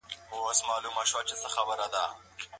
که رښتیا وي نو درواغ نه وي.